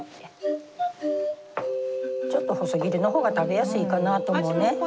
ちょっと細切りの方が食べやすいかなと思うね。